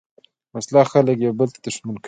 وسله خلک یو بل ته دښمن کوي